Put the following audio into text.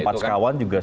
ya empat sekawan juga